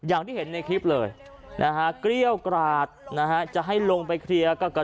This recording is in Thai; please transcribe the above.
อะงว่าแฟนเธอขับรถไปปากหน้าเขา